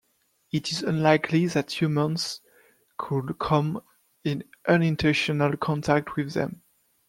It is unlikely that humans could come in unintentional contact with them.